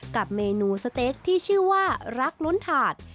กับเมนูสเต๊กที่ชื่อว่ารักล้นถาด